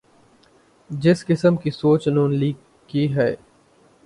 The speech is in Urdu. جس قسم کی سوچ ن لیگ کی ہے۔